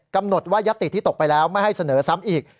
กำหนดว่ายัตติที่ตกไปแล้วไม่ให้เสนอซ้ำอีก